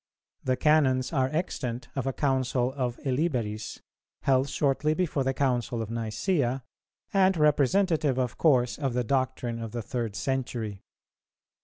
The Canons are extant of a Council of Illiberis, held shortly before the Council of Nicæa, and representative of course of the doctrine of the third century.